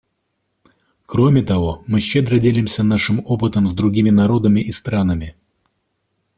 Кроме того, мы щедро делимся нашим опытом с другими народами и странами.